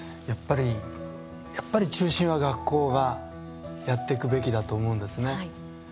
やっぱり、中心は学校がやっていくべきだと思うんですね。